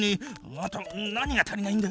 あと何が足りないんだ？